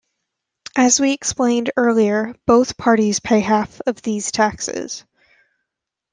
As we explained earlier both parties pay half of these taxes.